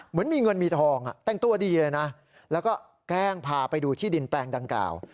เหมือนมีเงินมีทองแต่งตัวดีเลยนะแล้วก็แกล้งพาไปดูที่ดินแปลงดังกล่าว